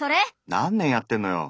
何年やってんのよ！